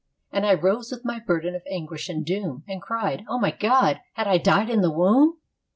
And I rose with my burden of anguish and doom, And cried, "O my God, had I died in the womb!